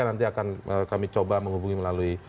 nanti akan kami coba menghubungi melalui